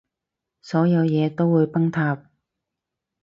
所有嘢都會崩塌